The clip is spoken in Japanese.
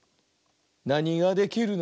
「なにができるの？